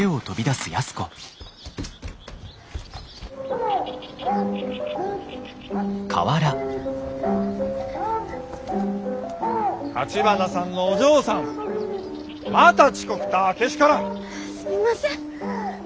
すみません。